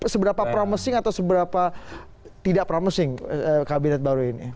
seberapa promising atau seberapa tidak promising kabinet baru ini